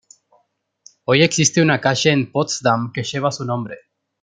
Hoy existe una calle en Potsdam que lleva su nombre.